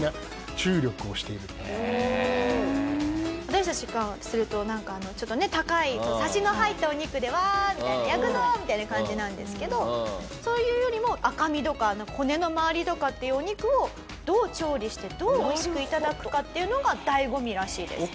私たちからするとなんかちょっとね高いサシの入ったお肉で「わあ！」みたいな「焼くぞ！」みたいな感じなんですけどそういうよりも赤身とか骨の周りとかっていうお肉をどう調理してどう美味しく頂くかっていうのが醍醐味らしいです。